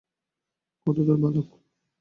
কত দূর, বালক?